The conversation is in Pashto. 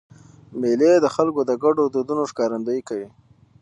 مېلې د خلکو د ګډو دودونو ښکارندویي کوي.